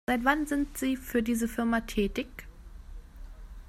Seit wann sind Sie für diese Firma tätig?